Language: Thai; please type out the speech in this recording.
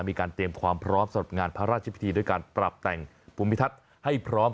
มีการเตรียมความพร้อมสำหรับงานพระราชพิธีด้วยการปรับแต่งภูมิทัศน์ให้พร้อม